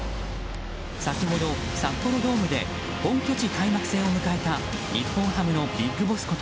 先ほど札幌ドームで本拠地開幕戦を迎えた日本ハムのＢＩＧＢＯＳＳこと